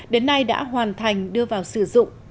đến nay đã hoàn thành đưa vào sử dụng